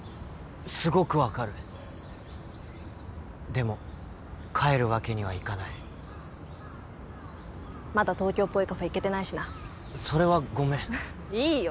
すごく分かるでも帰るわけにはいかないまだ東京っぽいカフェ行けてないしなそれはごめんいいよ